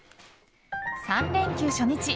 ３連休初日。